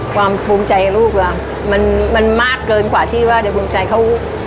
ความภูมิใจลูกล่ะมันมันมากเกินกว่าที่ว่าเดี๋ยวภูมิใจเขา